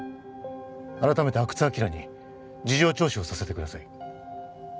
改めて阿久津晃に事情聴取をさせてください